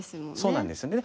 そうなんですね。